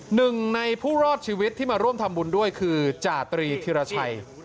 หนึ่งในผู้รอดชีวิตที่มาร่วมทำบุญด้วยคือจาตรีธิรชัย